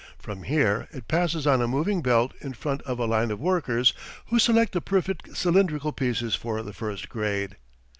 From here it passes on a moving belt in front of a line of workers, who select the perfect cylindrical pieces for the first grade.